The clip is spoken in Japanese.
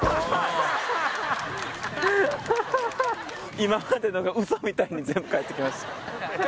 今までのが嘘みたいに全部返ってきました。